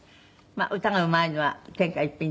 歌がうまいのは天下一品です。